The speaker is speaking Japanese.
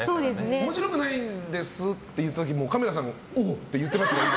面白くないんですって言った時カメラさん、おおって言ってましたからね。